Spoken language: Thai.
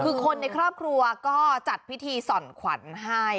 คือคนในครอบครัวก็จัดพิธีส่อนขวัญให้